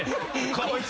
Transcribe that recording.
・こいつ。